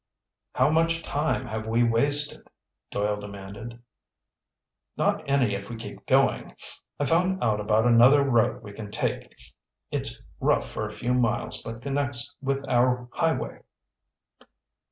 "How much time have we wasted?" Doyle demanded. "Not any if we keep going. I found out about another road we can take. It's rough for a few miles but connects with our highway."